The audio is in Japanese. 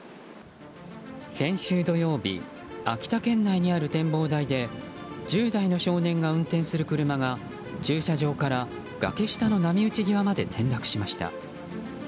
先週土曜日秋田県内にある展望台で１０代の少年が運転する車が駐車場から、崖下の波打ち際まで転落しました。